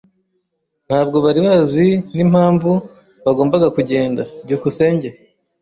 Ntabwo bari bazi n'impamvu bagombaga kugenda. byukusenge